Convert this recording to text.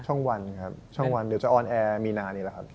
ช่อง๑ครับช่อง๑จะออนแอร์มีนานนี้แล้วครับ